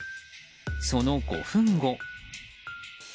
その５分後。